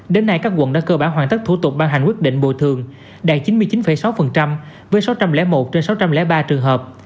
đến nay các quận đã cơ bản hoàn tất thủ tục ban hành quyết định bồi thường đạt chín mươi chín sáu với sáu trăm linh một trên sáu trăm linh ba trường hợp